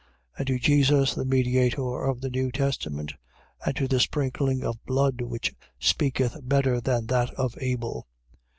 And to Jesus the mediator of the new testament, and to the sprinkling of blood which speaketh better than that of Abel.